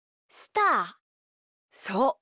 そう。